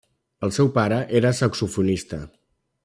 El seu pare era saxofonista.